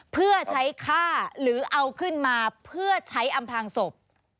เพื่อใช้ฆ่าหรือเอาขึ้นมาเพื่อใช้อำพลางศพ